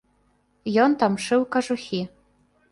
Ён там шыў кажухі.